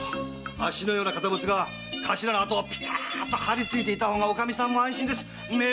あっしのような堅物が頭にピタッと張りついていた方がおかみさんも安心です。